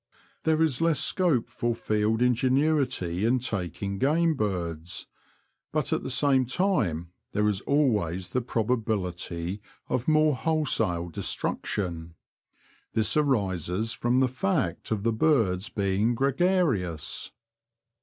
There is less scope for field ingenuity in taking game birds ; but at the same time there is always the proba bility of more wholesale destruction. This arises from the fact of the birds being gre garious.